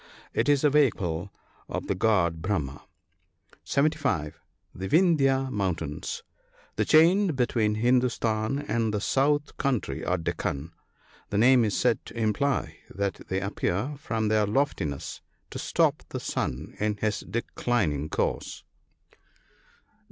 It is the vehicle of the god Brahma. (75.) The Vindhya mountains. — The chain between Hindustan and the south country or Deccan. The name is said to imply that they appear, from their loftiness, to stop the sun in his declining course.